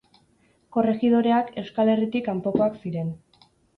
Korrejidoreak Euskal Herritik kanpokoak ziren.